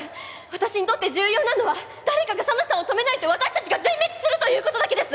私にとって重要なのは誰かが紗奈さんを止めないと私たちが全滅するということだけです！